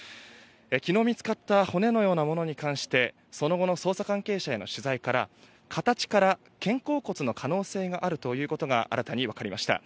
昨日見つかった骨のようなものに関してその後の捜査関係者への取材から形から肩甲骨の可能性があるということが新たに分かりました。